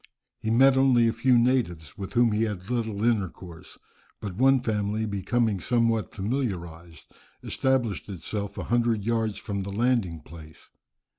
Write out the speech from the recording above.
He met only a few natives, with whom he had little intercourse. But one family becoming somewhat familiarized, established itself a hundred yards from the landing place.